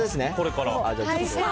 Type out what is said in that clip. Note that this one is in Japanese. これから。